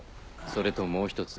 それともう一つ。